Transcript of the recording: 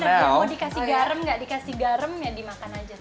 jadi bener mau dikasih garam gak dikasih garam ya dimakan aja